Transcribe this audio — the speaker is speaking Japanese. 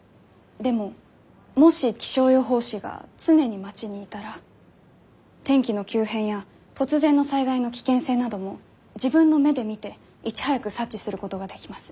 でももし気象予報士が常に町にいたら天気の急変や突然の災害の危険性なども自分の目で見ていち早く察知することができます。